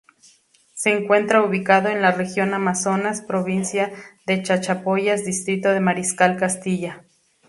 Se encuentra ubicado en la Región Amazonas, provincia de Chachapoyas, distrito de Mariscal Castilla.